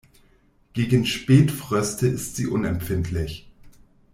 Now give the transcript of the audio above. Gegen Spätfröste ist sie unempfindlich.